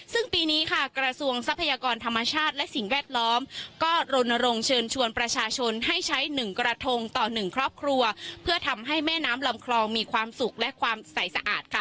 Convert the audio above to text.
ซึ่งปีนี้ค่ะกระทรวงทรัพยากรธรรมชาติและสิ่งแวดล้อมก็รณรงค์เชิญชวนประชาชนให้ใช้๑กระทงต่อ๑ครอบครัวเพื่อทำให้แม่น้ำลำคลองมีความสุขและความใส่สะอาดค่ะ